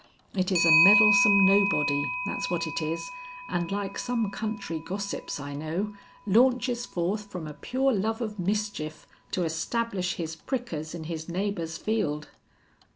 It is a meddlesome nobody, that's what it is, and like some country gossips I know, launches forth from a pure love of mischief to establish his prickers in his neighbor's field."